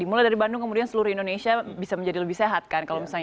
dimulai dari bandung kemudian seluruh indonesia bisa menjadi lebih sehat kan kalau misalnya